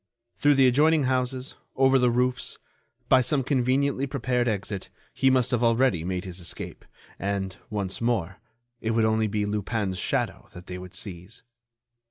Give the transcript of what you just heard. Through the adjoining houses, over the roofs, by some conveniently prepared exit, he must have already made his escape, and, once more, it would only be Lupin's shadow that they would seize.